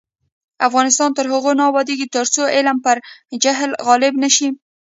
افغانستان تر هغو نه ابادیږي، ترڅو علم پر جهل غالب نشي.